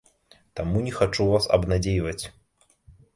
Таму не хачу вас абнадзейваць.